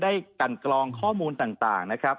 กันกรองข้อมูลต่างนะครับ